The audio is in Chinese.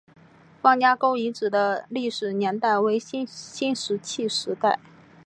方家沟遗址的历史年代为新石器时代。